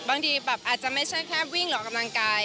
บางทีแบบอาจจะไม่ใช่แค่วิ่งออกกำลังกาย